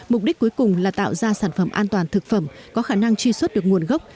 mục đích cuối cùng là tạo ra sản phẩm an toàn thực phẩm có khả năng truy xuất được nguồn gốc